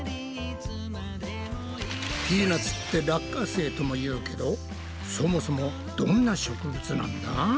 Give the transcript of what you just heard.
ピーナツって「落花生」とも言うけどそもそもどんな植物なんだ？